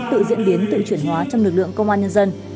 tự diễn biến tự chuyển hóa trong lực lượng công an nhân dân